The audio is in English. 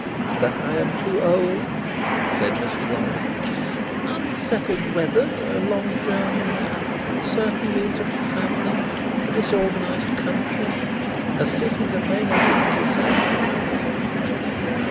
That I am too old?" said Mr. Lorry. "Unsettled weather, a long journey, uncertain means of travelling, a disorganised country, a city that may not be even safe for you."